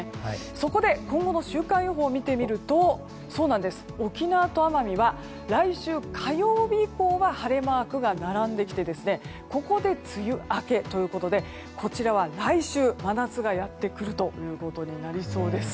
そこで、今後の週間予報を見てみると沖縄と奄美は来週火曜日以降は晴れマークが並んできてここで梅雨明けということでこちらは来週、真夏がやってくるということになりそうです。